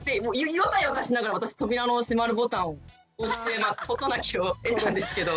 ヨタヨタしながら私扉の閉まるボタンを押して事なきを得たんですけど。